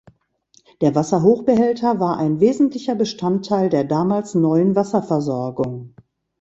Der Wasserhochbehälter war ein wesentlicher Bestandteil der damals neuen Wasserversorgung.